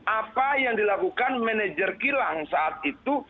apa yang dilakukan manajer kilang saat itu